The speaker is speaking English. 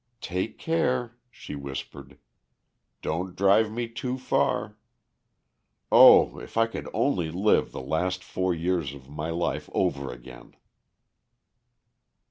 "Take care," she whispered. "Don't drive me too far. Oh, if I could only live the last four years of my life over again!"